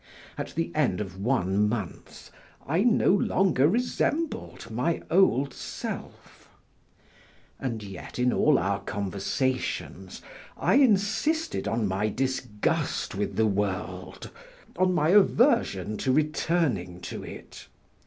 At the end of one month, I no longer resembled my old self. And yet in all our conversations I insisted on my disgust with the world, on my aversion to returning to it.